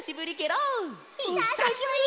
ひさしぶり！